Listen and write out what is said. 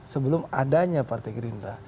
sebelum adanya partai gerindra